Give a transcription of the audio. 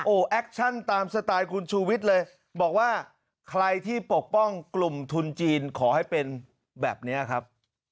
โอ้โหแอคชั่นตามสไตล์คุณชูวิทย์เลยบอกว่าใครที่ปกป้องกลุ่มทุนจีนขอให้เป็นแบบนี้ครับ